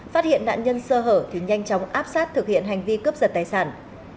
phát hiện nạn nhân sơ hở thì nhanh chóng áp sát thực hiện hành vi cướp giật tài sản